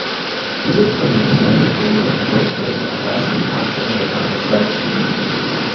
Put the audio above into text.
He was premier during a period of great labour unrest with constantly occurring strikes.